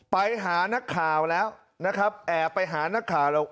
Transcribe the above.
ไปหานักข่าวแล้วนะครับแอบไปหานักข่าวแล้ว